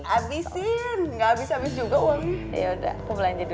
abisin gak abis abis juga uangnya